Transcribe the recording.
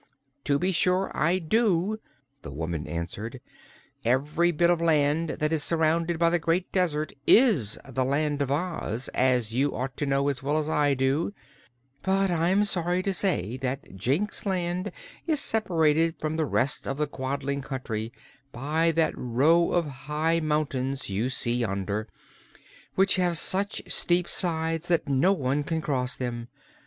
"To be sure I do," the woman answered. "Every bit of land that is surrounded by the great desert is the Land of Oz, as you ought to know as well as I do; but I'm sorry to say that Jinxland is separated from the rest of the Quadling Country by that row of high mountains you see yonder, which have such steep sides that no one can cross them.